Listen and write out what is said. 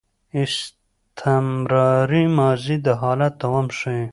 استمراري ماضي د حالت دوام ښيي.